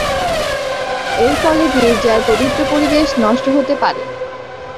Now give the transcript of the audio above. এরফলে গীর্জার পবিত্র পরিবেশ নষ্ট হতে পারে।